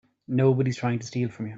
Nobody's trying to steal from you.